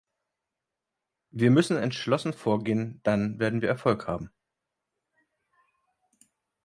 Wir müssen entschlossen vorgehen, dann werden wir Erfolg haben.